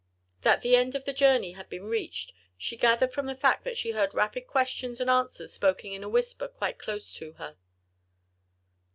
That the end of the journey had been reached, she gathered from the fact that she heard rapid questions and answers spoken in a whisper quite close to her.